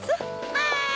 はい！